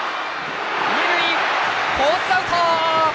二塁、フォースアウト！